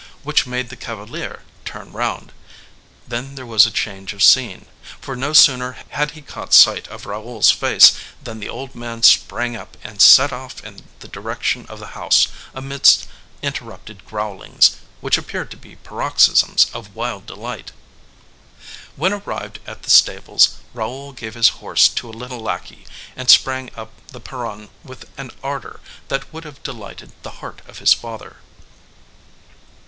which made the cavalier turn round. Then there was a change of scene; for no sooner had he caught sight of Raoul's face, than the old man sprang up and set off in the direction of the house, amidst interrupted growlings, which appeared to be paroxysms of wild delight. When arrived at the stables, Raoul gave his horse to a little lackey, and sprang up the perron with an ardor that would have delighted the heart of his father.